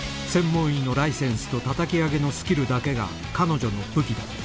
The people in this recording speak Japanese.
専門医のライセンスと叩き上げのスキルだけが彼女の武器だ